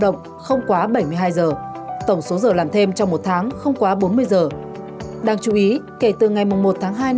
động không quá bảy mươi hai giờ tổng số giờ làm thêm trong một tháng không quá bốn mươi giờ